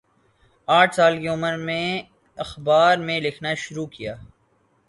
آٹھ سال کی عمر میں اخبار میں لکھنا شروع کیا